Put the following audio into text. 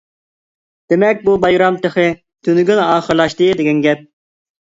دېمەك بۇ بايرام تېخى تۈنۈگۈن ئاخىرلاشتى دېگەن گەپ.